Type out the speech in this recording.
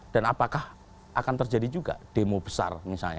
dan apakah akan terjadi juga demo besar misalnya